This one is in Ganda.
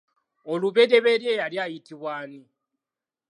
Olubereberye yali ayitibwa ani?